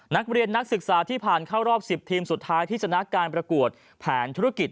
นักศึกษาที่ผ่านเข้ารอบ๑๐ทีมสุดท้ายที่ชนะการประกวดแผนธุรกิจ